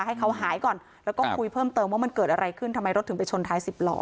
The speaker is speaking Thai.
ให้เขาหายก่อนแล้วก็คุยเพิ่มเติมว่ามันเกิดอะไรขึ้นทำไมรถถึงไปชนท้ายสิบล้อ